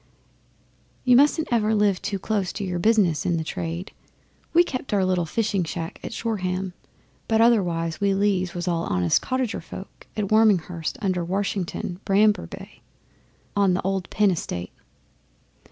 'You mustn't ever live too close to your business in our trade. We kept our little fishing smack at Shoreham, but otherwise we Lees was all honest cottager folk at Warminghurst under Washington Bramber way on the old Penn estate.